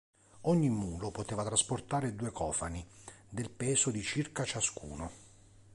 Ogni mulo poteva trasportare due cofani, del peso di circa ciascuno.